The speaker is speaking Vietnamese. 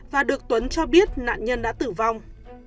và được tuấn cho biết nạn nhân đã tử vong